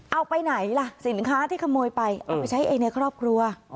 เอาไปไหนล่ะสินค้าที่ขโมยไปเอาไปใช้เองในครอบครัว